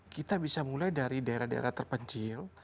kita bisa mulai dari daerah daerah terpencil